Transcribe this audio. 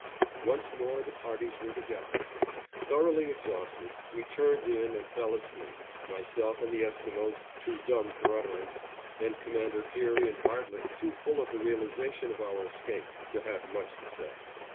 Once more the parties were together. Thoroughly exhausted, we turned in and fell asleep, myself and the Esquimos too dumb for utterance, and Commander Peary and Bartlett too full of the realization of our escape to have much to say.